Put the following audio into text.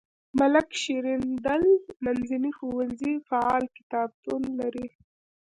ملک شیریندل منځنی ښوونځی فعال کتابتون لري.